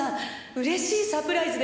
うれしいサプライズです。